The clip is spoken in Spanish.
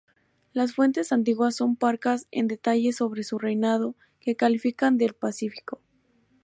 Las fuentes antiguas son parcas en detalles sobre su reinado, que califican de pacífico.